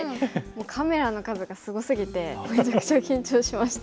カメラの数がすごすぎてめちゃくちゃ緊張しました。